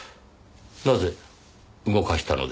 なぜ動かしたのでしょう？